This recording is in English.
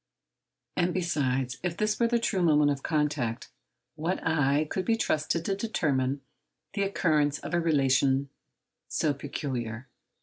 And, besides, if this were the true moment of contact, what eye could be trusted to determine the occurrence of a relation so peculiar?